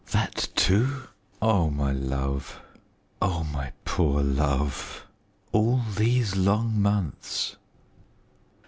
That, too! Oh, my love! oh, my poor love! All these long months!